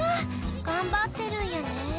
頑張ってるんやねえ。